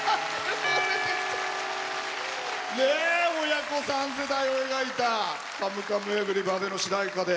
親子３世代を描いた「カムカムエヴリバディ」の主題歌で。